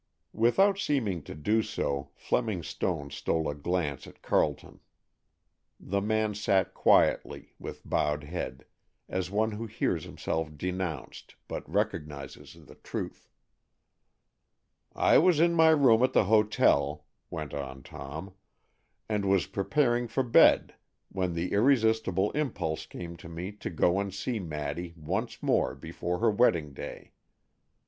Without seeming to do so, Fleming Stone stole a glance at Carleton. The man sat quietly, with bowed head, as one who hears himself denounced, but recognizes the truth. "I was in my room at the hotel," went on Tom, "and was preparing for bed when the irresistible impulse came to me to go and see Maddy once more before her wedding day.